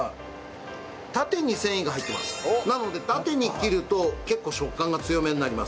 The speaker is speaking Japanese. なので縦に切ると結構食感が強めになります。